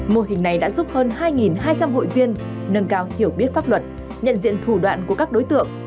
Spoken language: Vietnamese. mô hình này đã giúp hơn hai hai trăm linh hội viên nâng cao hiểu biết pháp luật nhận diện thủ đoạn của các đối tượng